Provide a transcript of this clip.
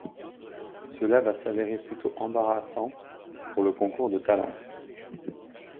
Cela va s'avérer plutôt embarrassant pour le concours de talents.